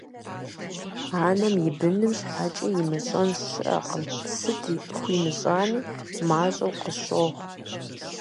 Анэм и быным щхьэкӀэ имыщӀэн щыӀэкъым, сыт хуимыщӀами, мащӀэу къыщохъу.